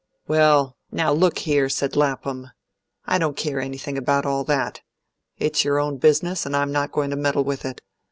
"Well, now, look here," said Lapham. "I don't care anything about all that. It's your own business, and I'm not going to meddle with it.